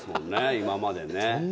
今までね。